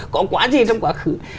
có quá gì trong quá khứ